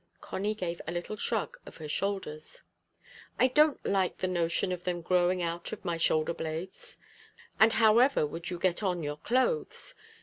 Connie gave a little shrug of her shoulders. "I don't like the notion of them growing out at my shoulder blades. And however would you get on your clothes?